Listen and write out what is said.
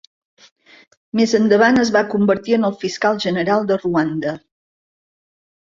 Més endavant es va convertir en Fiscal General de Ruanda.